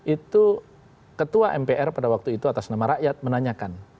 itu ketua mpr pada waktu itu atas nama rakyat menanyakan